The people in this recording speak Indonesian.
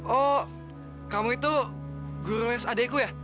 oh kamu itu guru les adeku ya